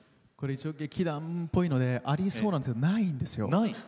劇団っぽいのでありそうでないんですよ。